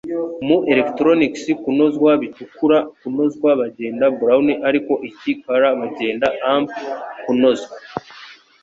Mu Electronics kunozwa bitukura, kunozwa bagenda Brown Ariko iki Color bagenda Amp kunozwa?